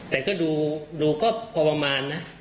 แต่ก็ดูก็พอประมาณนะ